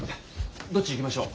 どっち行きましょう？